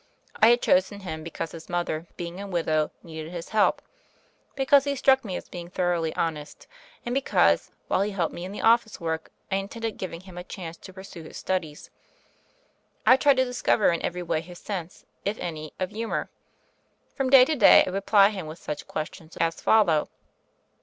I had chosen him because his mother, being a widow, needed his help, because he struck me as being thor oughly honest, and because, while he helped me in the office work, I intended giving him a chance to pursue his studies. I tried to discover in every way his sense — if any— of humor. From day to day, I would ply him with such questions as follow.